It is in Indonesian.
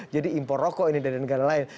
jadi impor rokok ini dari negara lain